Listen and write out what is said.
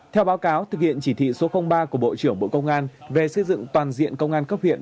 theo báo cáo thực hiện chỉ thị số ba của bộ trưởng bộ công an về xây dựng toàn diện công an cấp huyện